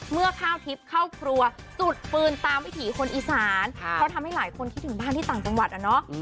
ข้าวทิพย์เข้าครัวจุดฟืนตามวิถีคนอีสานเพราะทำให้หลายคนคิดถึงบ้านที่ต่างจังหวัดอะเนาะ